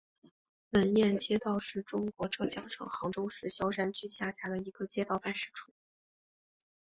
闻堰街道是中国浙江省杭州市萧山区下辖的一个街道办事处。